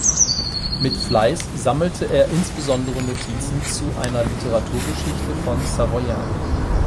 Mit Fleiß sammelte er insbesondere Notizen zu einer Literaturgeschichte von Savoyen.